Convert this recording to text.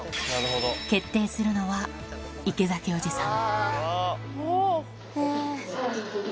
決定するのは池崎おじさん。